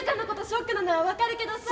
ショックなのは分かるけどさ。